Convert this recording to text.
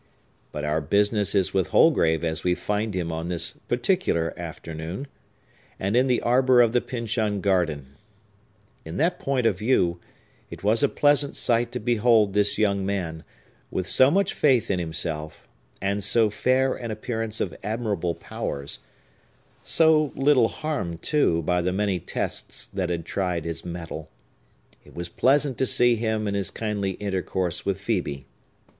But our business is with Holgrave as we find him on this particular afternoon, and in the arbor of the Pyncheon garden. In that point of view, it was a pleasant sight to behold this young man, with so much faith in himself, and so fair an appearance of admirable powers,—so little harmed, too, by the many tests that had tried his metal,—it was pleasant to see him in his kindly intercourse with Phœbe.